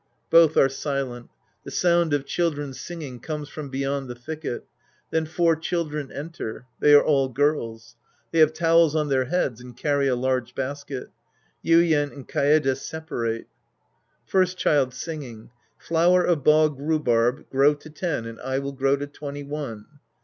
{Both are silent. The sound of children singing comes from beyond the thicket. Then four children enter. They are all girls. They have towels on tJteir heads and carry a large basket. Yuien aud Kaede separate^ First Child {singing). Flower of bog rhubarb, grow to ten, and I will grow to twenty one.